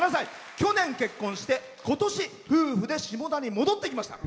去年結婚して、ことし夫婦で下田に戻ってきました。